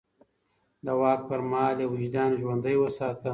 د واک پر مهال يې وجدان ژوندی وساته.